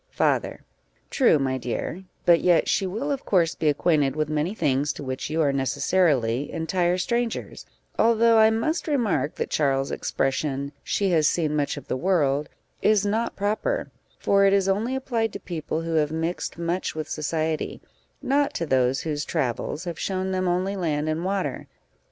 Father. True, my dear; but yet she will, of course, be acquainted with many things to which you are necessarily entire strangers, although I must remark that Charles's expression, "she has seen much of the world," is not proper; for it is only applied to people who have mixed much with society not to those whose travels have shown them only land and water.